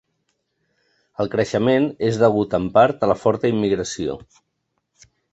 El creixement és degut en part a la forta immigració.